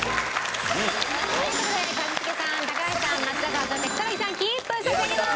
という事で一茂さん高橋さん松田さんそして草薙さん金一封差し上げます。